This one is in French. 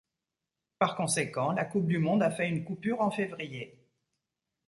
Par conséquent, la coupe du monde a fait une coupure en février.